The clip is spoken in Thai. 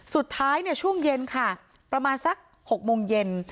สุดท้ายเนี่ยช่วงเย็นค่ะประมาณสัก๖โมงเย็น